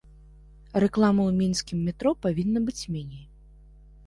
Рэкламы ў мінскім метро павінна быць меней.